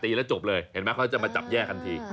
ตีแล้วจบเลยเห็นมั้ยเขาจะมาจับแย่กันที